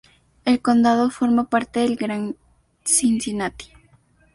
El condado forma parte del Gran Cincinnati.